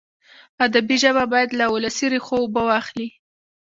ادبي ژبه باید له ولسي ریښو اوبه واخلي.